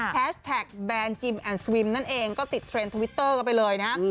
แท็กแบนจิมแอนดสวิมนั่นเองก็ติดเทรนด์ทวิตเตอร์กันไปเลยนะ